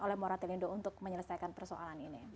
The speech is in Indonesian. oleh moratelindo untuk menyelesaikan persoalan ini